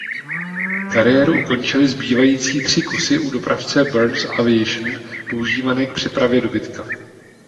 Kariéru ukončily zbývající tři kusy u dopravce Burns Aviation používané k přepravě dobytka.